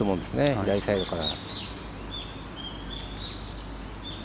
左サイドから。